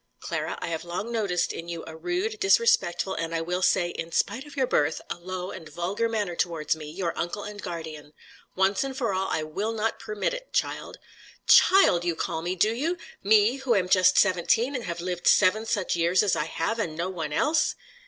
"Clara, I have long noticed in you a rude, disrespectful, and I will say (in spite of your birth) a low and vulgar manner towards me, your uncle and guardian. Once for all, I will not permit it, child." "Child you call me, do you? Me, who am just seventeen, and have lived seven such years as I have, and no one else!"